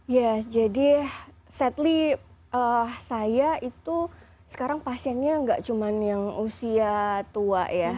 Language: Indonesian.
ya jadi sadly saya itu sekarang pasiennya nggak cuma yang usia tua ya